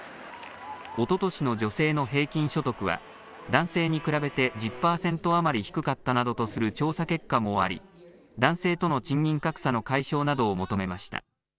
おととしの女性の平均所得は男性に比べて１０％余り低かったなどとする調査結果もあり男性との賃金格差の解消などを求めました。